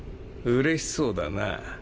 うれしそうだな。